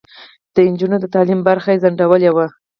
د نجونو د تعلیم خبره یې ځنډولې وه.